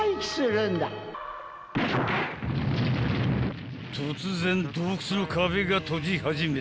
［突然洞窟の壁が閉じ始めた］